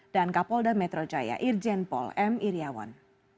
dan kapolda metro jaya irjen paul m iryawan